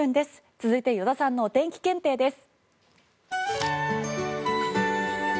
続いて依田さんのお天気検定です。